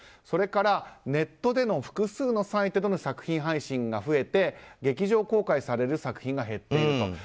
それから、ネットでの複数のサイトでの作品配信が増えて劇場公開される作品が減っていると。